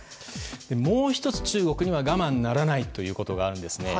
もう１つ、中国には我慢ならないことがあるんですね。